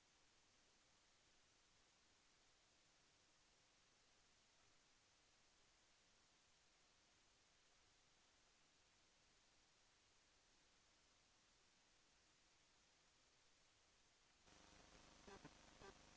โปรดติดตามต่อไป